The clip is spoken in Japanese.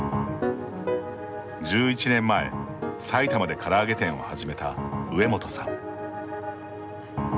１１年前埼玉でから揚げ店を始めた植元さん。